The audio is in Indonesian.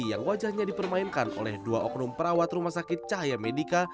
yang wajahnya dipermainkan oleh dua oknum perawat rumah sakit cahaya medica